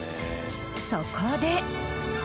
そこで。